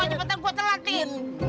cepetan gue telat tin